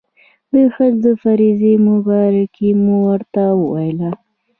د حج د فرضې مبارکي مو ورته وویله.